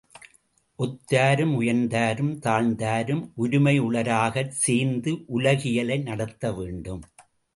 ஒத்தாரும் உயர்ந்தாரும் தாழ்ந்தாரும் ஒருமையுளராகச் சேர்ந்து உலகியலை நடத்த வேண்டும்.